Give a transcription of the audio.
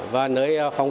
và nơi phong khám